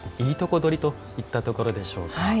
いいとこ取りといったところでしょうか。